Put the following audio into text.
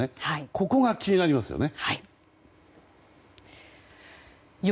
ここが気になりますよね。